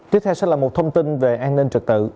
tiếp theo sẽ là một thông tin về an ninh trật tự